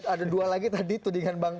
ada dua lagi tadi tudingan bang